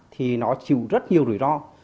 thì nó chịu rất nhiều rủi ro